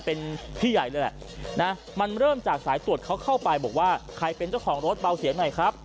เป็นพี่ใหญ่เลยแหละนะมันเริ่มจากสายตรวจเขาเข้าไปบอกว่าใครเป็นเจ้าของรถเบาเสียงหน่อยครับ